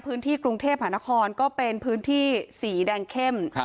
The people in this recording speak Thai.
พื้นที่กรุงเทพหานครก็เป็นพื้นที่สีแดงเข้ม